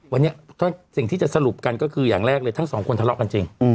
วันนี้สิ่งที่จะสรุปกันก็คืออย่างแรกเลยทั้งสองคนทะเลาะกันจริง